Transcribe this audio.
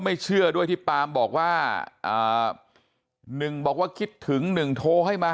ไม่เชื่อด้วยที่ปามบอกว่าอ่าหนึ่งบอกว่าคิดถึงหนึ่งโทรให้มา